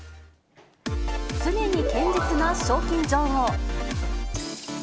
常に堅実な賞金女王。